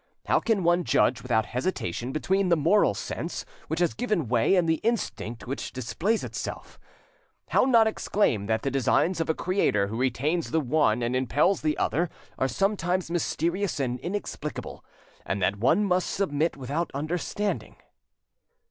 How can one judge without hesitation between the moral sense which has given way and the instinct which displays itself? how not exclaim that the designs of a Creator who retains the one and impels the other are sometimes mysterious and inexplicable, and that one must submit without understanding?